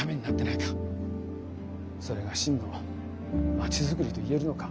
それが真の街づくりと言えるのか。